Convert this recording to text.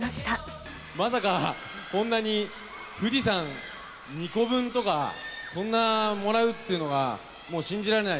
まさか、こんなに、富士山２個分とか、そんなもらうっていうのが、もう信じられない。